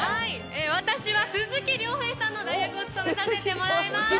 私は鈴木亮平さんの代役を務めさせていただきます。